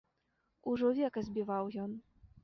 Ужо века збіваў ён.